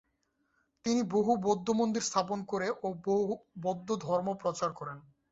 তিনি বহু বৌদ্ধ মন্দির স্থাপন করে ও বৌদ্ধ ধর্ম প্রচার করেন।